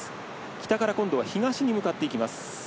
北から東に向かっていきます。